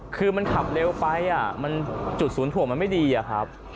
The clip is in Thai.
คือมันขับเร็วไปจุดศูนย์ถ่วงมันไม่ดีอะครับ